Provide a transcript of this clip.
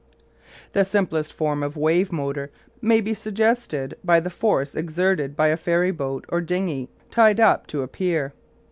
The simplest form of wave motor may be suggested by the force exerted by a ferry boat or dinghy tied up to a pier.